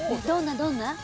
どんな？